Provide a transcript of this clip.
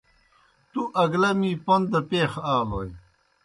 تُوْ اگلہ می پوْن دہ پیخ آلوئے۔